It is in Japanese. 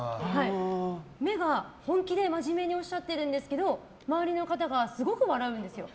目が本気で真面目におっしゃってるんですけど周りの方がすごく笑うんですよ。